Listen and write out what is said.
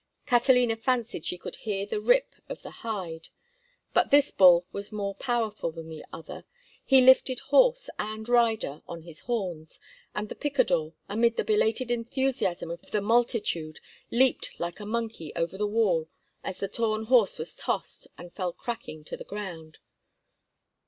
Catalina fancied she could hear the rip of the hide. But this bull was more powerful than the other. He lifted horse and rider on his horns, and the picador, amid the belated enthusiasm of the multitude, leaped like a monkey over the wall as the torn horse was tossed and fell cracking to the ground.